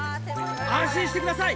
安心してください！